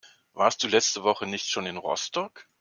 Warst du letzte Woche nicht schon in Rostock?